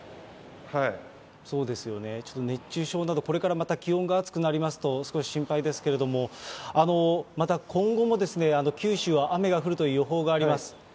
そうですよね、ちょっと熱中症など、これからまた、気温が暑くなりますと、心配ですけれども、また今後も九州は雨が降るという予報があります。